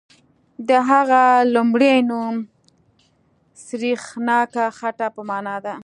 د هغه لومړی نوم سریښناکه خټه په معنا دی.